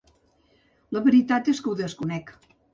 La veritat és que ho desconec.